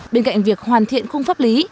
bên cạnh việc hoàn thiện không pháp lý